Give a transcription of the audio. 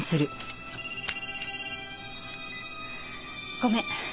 ごめん。